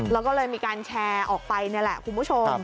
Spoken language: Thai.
แล้วก็เลยมีการแชร์ออกไปนี่แหละคุณผู้ชม